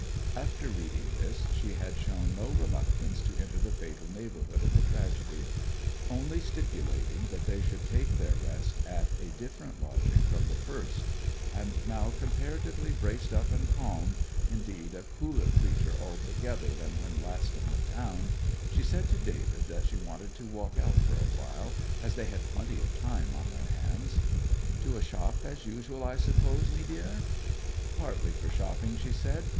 After reading this she had shown no reluctance to enter the fatal neighbourhood of the tragedy, only stipulating that they should take their rest at a different lodging from the first; and now comparatively braced up and calm indeed a cooler creature altogether than when last in the town, she said to David that she wanted to walk out for a while, as they had plenty of time on their hands. 'To a shop as usual, I suppose, mee deer?' 'Partly for shopping,' she said.